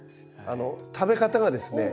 食べ方がですね